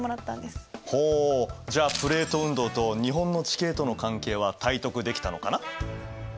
ほうじゃあプレート運動と日本の地形との関係は体得できたのかな？